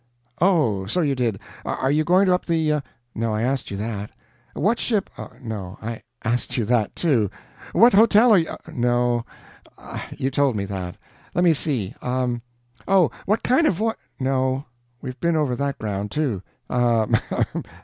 "Oh, so you did. Are you going up the ... no, I asked you that. What ship ... no, I asked you that, too. What hotel are you ... no, you told me that. Let me see ... um .... Oh, what kind of voy ... no, we've been over that ground, too.